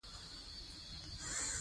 د بېوزلو خلکو لاسنیوی وکړئ.